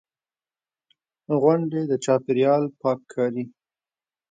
غونډې، د چاپېریال پاک کاري.